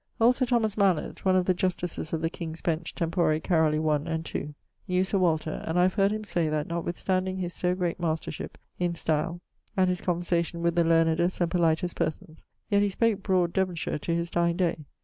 Old Sir Thomas Malett, one of the justices of the King's Bench tempore Caroli I et II, knew Sir Walter; and I have heard him say that, notwithstanding his so great mastership in style and his conversation with the learnedst and politest persons, yet he spake broad Devonshire to his dyeing day.